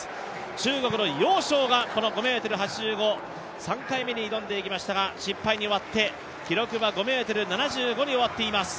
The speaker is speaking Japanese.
中国の姚捷がこの５ｍ８５、３回目に挑んでいきましたが失敗に終わって記録は５ｍ７５に終わっています。